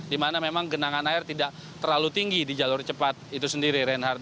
di mana memang genangan air tidak terlalu tinggi di jalur cepat itu sendiri reinhardt